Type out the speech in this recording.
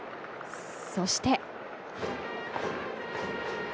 そして。